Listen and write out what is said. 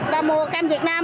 cam mua cam việt nam